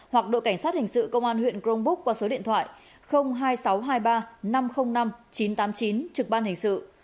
hoặc đội cảnh sát hình sự công an huyện grongbook qua số điện thoại hai nghìn sáu trăm hai mươi ba năm trăm linh năm chín trăm tám mươi chín trực ban hình sự